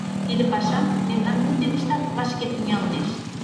Тиде пашам мемнан кундемыштат вашке тӱҥалнешт.